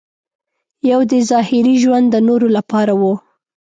یو دې ظاهري ژوند د نورو لپاره و.